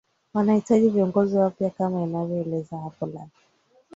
wanahitaji viongozi wapya kama anavyoeleza hapa labre